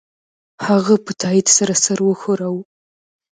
هغه په تایید سره سر وښوراوه